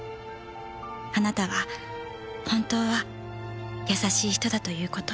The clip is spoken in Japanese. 「あなたが本当は優しい人だという事」